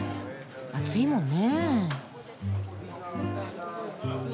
暑いもんね。